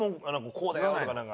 「こうだよ」とかなんか。